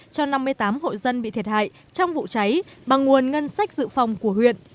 cho năm mươi tám hộ dân bị thiệt hại trong vụ cháy bằng nguồn ngân sách dự phòng của huyện